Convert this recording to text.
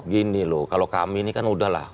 gini loh kalau kami ini kan udahlah